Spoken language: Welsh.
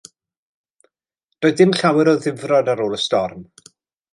Doedd dim llawer o ddifrod ar ôl y storm.